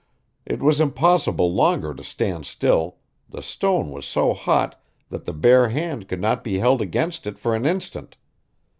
It was impossible longer to stand still the stone was so hot that the bare hand could not be held against it for an instant.